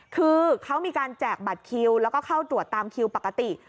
คือเขามีการแจกบัตรคิวแล้วก็เข้าตรวจตามคิวปกติ